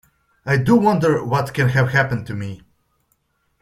I do wonder what can have happened to me!